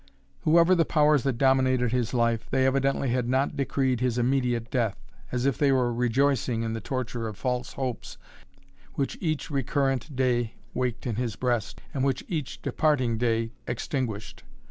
Whoever the powers that dominated his life, they evidently had not decreed his immediate death, as if they were rejoicing in the torture of false hopes which each recurrent day waked in his breast, and which each departing day extinguished.